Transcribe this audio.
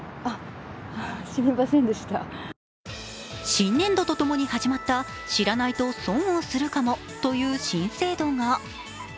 新年度とともに始まった知らないと損をするかもという新制度が。